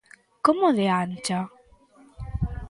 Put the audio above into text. Como de ancha?